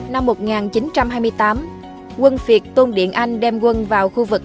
năm một nghìn chín trăm hai mươi tám quân việt tôn điện anh đem quân vào khu vực